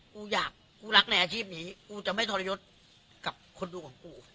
กูอยากกูรักในอาชีพนี้กูจะไม่ทรยศกับคนดูของกู